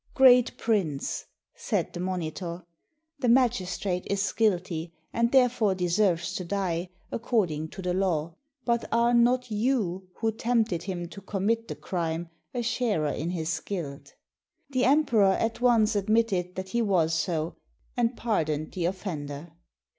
" Great Prince," said the monitor, "the magis trate is guilty, and therefore deserves to die, according to the law; but are not you, who tempted him to commit the crime, a sharer in his guilt?" The emperor at once admitted that he was so, and pardoned the offender.